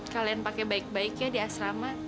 kalian pakai baik baiknya di asrama